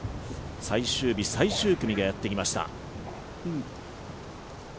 最終日最終組がやってきました。